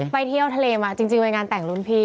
ไปเที่ยวทะเลมาจริงไปงานแต่งรุ่นพี่